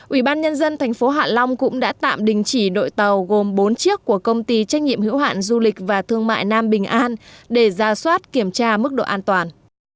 ủy ban nhân dân thành phố hạ long cũng đã tạm đình chỉ đội tàu gồm bốn chiếc của công ty trách nhiệm hữu hạn du lịch và thương mại nam bình an để ra soát kiểm tra mức độ an toàn